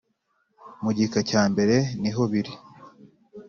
Mu gika cya mbere nihobiri.